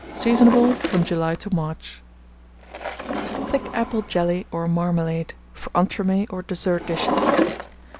Seasonable from July to March. THICK APPLE JELLY OR MARMALADE, for Entremets or Dessert Dishes.